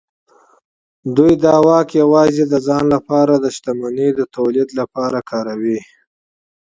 دوی دا واک یوازې د ځان لپاره د ثروت د تولید لپاره کاروي.